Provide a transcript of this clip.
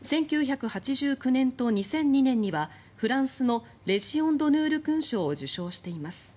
１９８９年と２００２年にはフランスのレジオン・ドヌール勲章を受章しています。